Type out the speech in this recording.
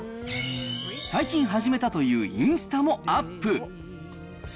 最近始めたというインスタもアップ。